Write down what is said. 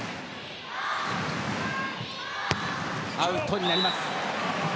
アウトになります。